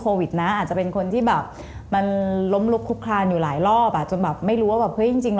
ได้เดี๋ยวผมทำหวาน๒๐๐ให้กิน